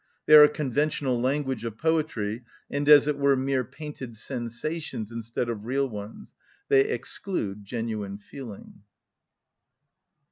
They are a conventional language of poetry, and as it were mere painted sensations instead of real ones: they exclude genuine feeling.